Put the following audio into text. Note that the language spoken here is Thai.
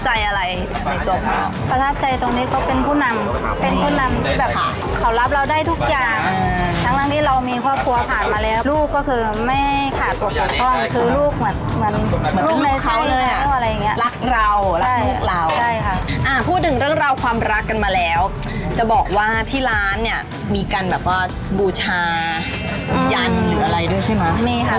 แอลิ้นมาแล้วจะบอกว่าที่ร้านเนี่ยมีการแบบว่าบูชาอือหยั่นหรืออะไรด้วยใช่มะ